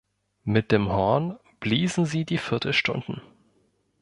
Mit dem Horn bliesen sie die Viertelstunden.